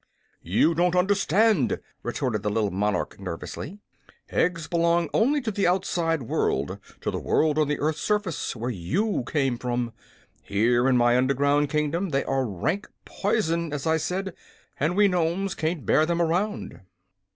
"You don't understand," retorted the little monarch, nervously. "Eggs belong only to the outside world to the world on the earth's surface, where you came from. Here, in my underground kingdom, they are rank poison, as I said, and we Nomes can't bear them around."